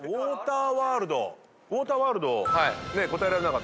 「ウォーターワールド」答えられなかった。